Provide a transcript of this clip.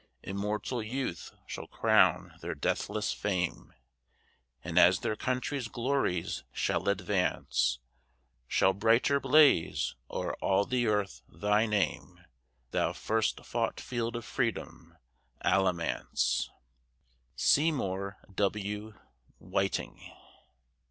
Immortal youth shall crown their deathless fame; And as their country's glories shall advance, Shall brighter blaze, o'er all the earth, thy name, Thou first fought field of Freedom Alamance. SEYMOUR W. WHITING.